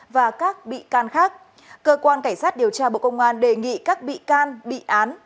và các bị can khác cơ quan cảnh sát điều tra bộ công an đề nghị các bị can bị án